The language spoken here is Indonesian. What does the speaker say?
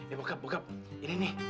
eh bokap bokap ini ini